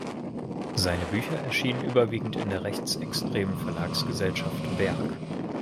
Seine Bücher erscheinen überwiegend in der rechtsextremen Verlagsgesellschaft Berg.